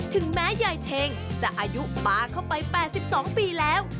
ถึงแม้ยายเชงจะอายุปลาเข้าไป๘๒ปีแล้ว